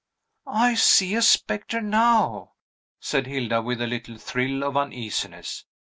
"I see a spectre, now!" said Hilda, with a little thrill of uneasiness.